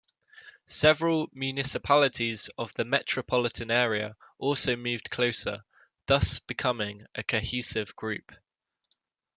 Several municipalities of the metropolitan area also moved closer, thus becoming a cohesive group.